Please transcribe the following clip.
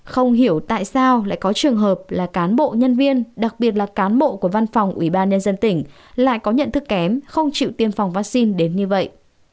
không hiểu tại sao lại có trường hợp là cán bộ nhân viên đặc biệt là cán bộ của văn phòng ubnd tỉnh lại có nhận thức kém không chịu tiêm phòng vaccine đến như vậy